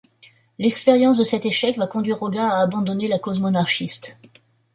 L'expérience de cet échec va conduire Rogat à abandonner la cause monarchiste.